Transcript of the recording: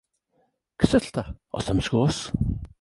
Cysyllta os am sgwrs.